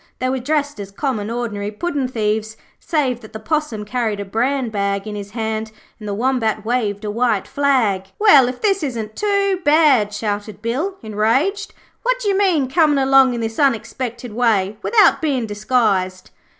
They were dressed as common ordinary puddin' thieves, save that the Possum carried a bran bag in his hand and the Wombat waved a white flag. 'Well, if this isn't too bad,' shouted Bill, enraged. 'What d'you mean, comin' along in this unexpected way without bein' disguised?'